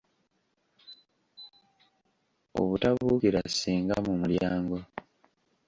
Obutabuukira ssenga mu mulyango.